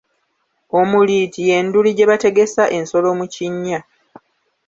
Omuliiti ye nduli gye bategesa ensolo mu kinnya.